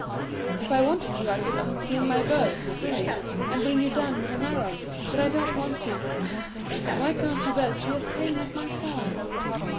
"If I wanted to I could unsling my bow, string it, and bring you down with an arrow; but I don't want to. Why can't you both be as tame as my fawn?"